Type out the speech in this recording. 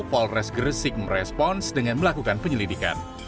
polres gresik merespons dengan melakukan penyelidikan